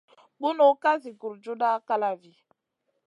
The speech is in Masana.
Bunu ka zi gurjuda kalavi.